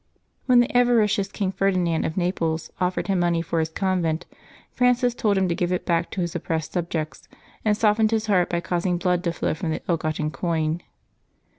When the avaricious King Ferdinand of i^aples offered him money for his convent, Francis told him to give it back to his oppressed subjects, and softened his heart by causing blood to flow from the ill gotten coin.